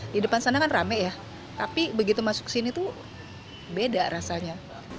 di depan sana kan rame ya tapi begitu masuk sini tuh beda rasanya